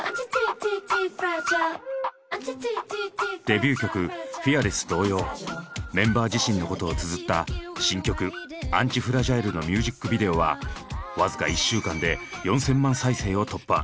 デビュー曲「ＦＥＡＲＬＥＳＳ」同様メンバー自身のことをつづった新曲「ＡＮＴＩＦＲＡＧＩＬＥ」のミュージックビデオは僅か１週間で４，０００万再生を突破。